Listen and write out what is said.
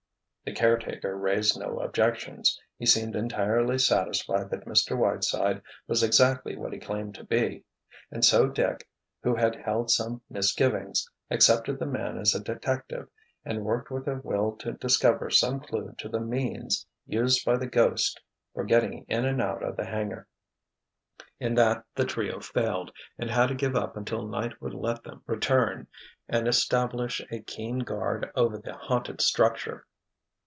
The caretaker raised no objections. He seemed entirely satisfied that Mr. Whiteside was exactly what he claimed to be, and so Dick, who had held some misgivings, accepted the man as a detective and worked with a will to discover some clue to the means used by the "ghost" for getting in and out of the hangar. In that the trio failed, and had to give up until night would let them return and establish a keen guard over the haunted structure.